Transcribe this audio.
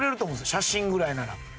写真ぐらいなら。